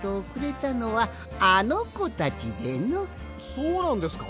そうなんですか？